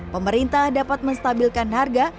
pemerintah dapat menstabilkan harga